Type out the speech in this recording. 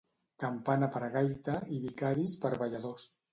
Campana per gaita i vicaris per balladors.